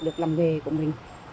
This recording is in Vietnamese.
được làm nghề của mình